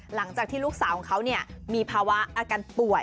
หลังจากที่ลูกสาวของเขามีภาวะอาการป่วย